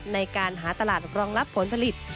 ในการหาตลาดรองรับผลผลิต